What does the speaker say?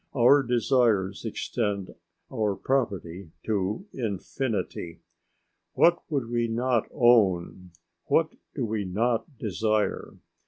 Our desires extend our property to infinity. What would we not own? What do we not desire?